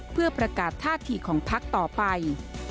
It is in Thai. เพื่อประกาศธาติของภักดิ์ต่อไป